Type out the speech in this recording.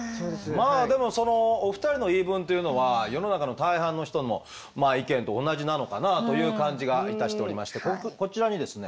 まあでもそのお二人の言い分というのは世の中の大半の人の意見と同じなのかなという感じがいたしておりましてこちらにですね